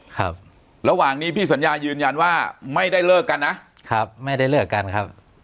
ครับระหว่างนี้พี่สัญญายืนยันว่าไม่ได้เลิกกันนะครับไม่ได้เลิกกันครับ